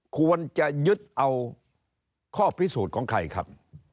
ควรจะยึดเอาข้อพิสูจน์ของใครครับ